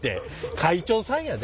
会長さんやで。